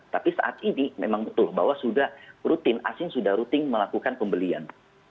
tapi saat ini memang betul bahwa sudah rutin asing sudah rutin melakukan pembelian